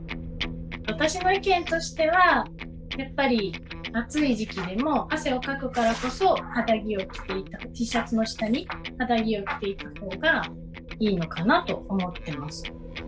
私の意見としてはやっぱり暑い時期でも汗をかくからこそＴシャツの下に肌着を着ていく方がいいのかなと思ってます。